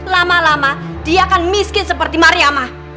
lama lama dia kan miskin seperti mariamah